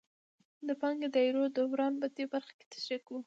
د پانګې دایروي دوران په دې برخه کې تشریح کوو